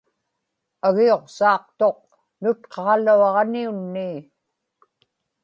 agiuqsaaqtuq nutqaġaluaġnaniunnii